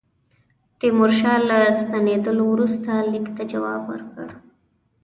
تیمورشاه له ستنېدلو وروسته لیک ته جواب ورکړ.